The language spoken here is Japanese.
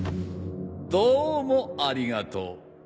どうもありがとう。